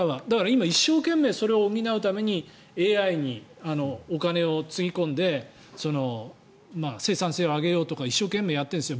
今、一生懸命それを補うためにＡＩにお金をつぎ込んで生産性を上げようとか一生懸命やってるんです。